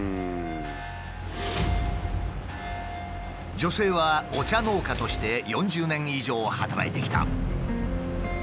女性はお茶農家として４０年以上働いてきた。